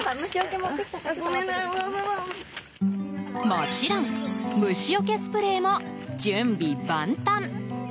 もちろん虫よけスプレーも準備万端。